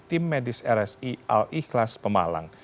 tim medis rsi al ikhlas pemalang